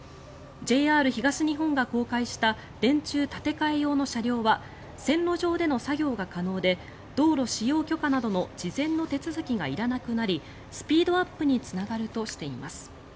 ＪＲ東日本が公開した電柱建て替え用の車両は線路上での作業が可能で道路使用許可などの事前の手続きがいらなくなりスピードアップにつながるとしています。